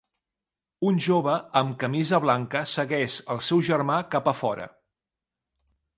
Un jove amb camisa blanca segueix el seu germà cap a fora.